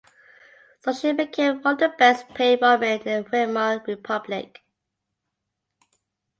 So she became one of the best paid women in the Weimar Republic.